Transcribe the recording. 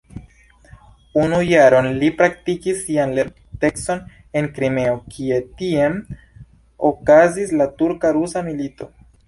Unu jaron li praktikis sian lertecon en Krimeo, kie tiam okazis la turka-rusa milito.